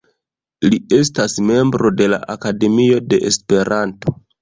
Li estas membro de la Akademio de Esperanto.